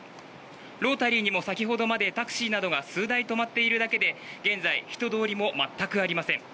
ロータリーにも先ほどまでタクシーなどが数台止まっているだけで現在、人通りも全くありません。